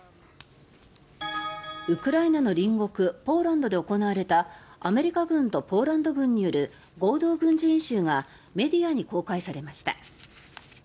ウクライナの隣国ポーランドで行われたアメリカ軍とポーランド軍による合同軍事演習がメディアに公開されました。